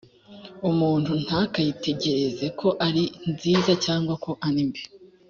umuntu ntakayitegereze ko ari nziza cyangwa ko arimbi.